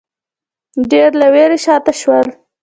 ډېرو له وېرې شا ته شول